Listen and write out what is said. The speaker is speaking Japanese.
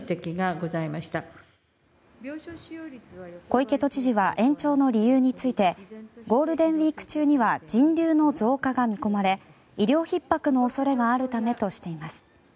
小池都知事は延長の理由についてゴールデンウィーク中には人流の増加が見込まれ医療ひっ迫の恐れがあるためとしています。